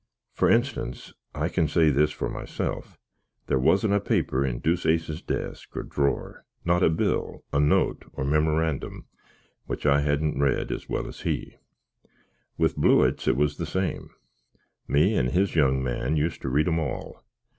Frinstance, I can say this for myself, there wasn't a paper in Deuceace's desk or drawer, not a bill, a note, or mimerandum, which I hadn't read as well as he: with Blewitt's it was the same me and his young man used to read 'em all.